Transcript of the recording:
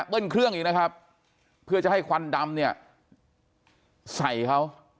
เครื่องอีกนะครับเพื่อจะให้ควันดำเนี่ยใส่เขา